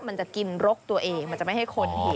มันจะกินรกตัวเองมันจะไม่ให้คนเห็น